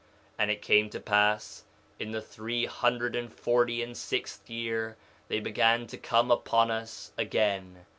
2:22 And it came to pass in the three hundred and forty and sixth year they began to come upon us again.